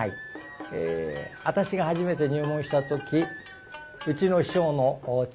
私が初めて入門した時うちの師匠の長女